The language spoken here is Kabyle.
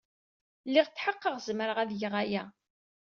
Lliɣ tḥeqqeɣ zemreɣ ad geɣ aya.